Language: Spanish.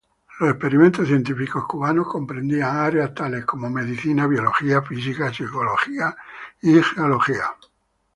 Los experimentos científicos cubanos comprendían áreas tales como: medicina, biología, física, psicología y geología.